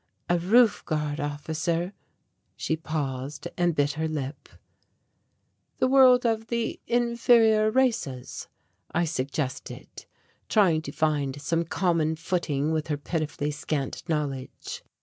A roof guard officer" she paused and bit her lip "The world of the inferior races," I suggested, trying to find some common footing with her pitifully scant knowledge.